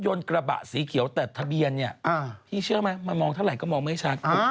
กระบะสีเขียวแต่ทะเบียนเนี่ยพี่เชื่อไหมมันมองเท่าไหร่ก็มองไม่ชัด